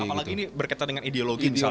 apalagi ini berkaitan dengan ideologi misalnya